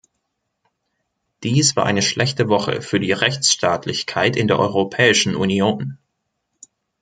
Dies war eine schlechte Woche für die Rechtsstaatlichkeit in der Europäischen Union.